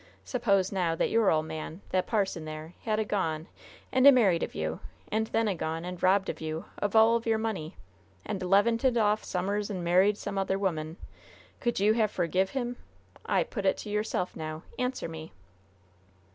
Suppose now that your ole man, the parson there, had a gone, and a married of you, and then a gone and robbed of you of all your money, and levanted off some'er's and married some other 'oman. Could you have 'forgive' him? I put it to yourself now. Answer me."